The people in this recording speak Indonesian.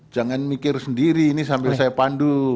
jangan mikir sendiri ini sambil saya pandu